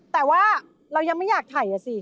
แต่ว่าเรายังไม่อยากถ่ายอ่ะสิ